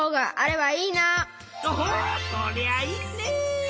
おおそりゃあいいね！